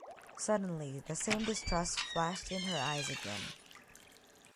Suddenly, the same distrust flashed in her eyes again.